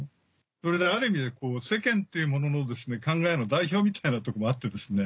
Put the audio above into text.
それである意味で世間というものの考えの代表みたいなとこもあってですね。